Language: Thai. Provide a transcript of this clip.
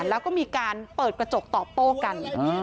แล้วก็มีการเปิดกระจกตอบโต้กัน